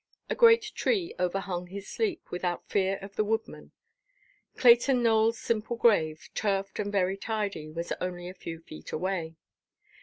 A great tree overhung his sleep, without fear of the woodman. Clayton Nowellʼs simple grave, turfed and very tidy, was only a few yards away.